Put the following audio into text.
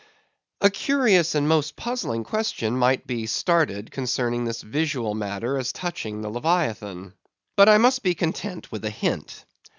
A curious and most puzzling question might be started concerning this visual matter as touching the Leviathan. But I must be content with a hint.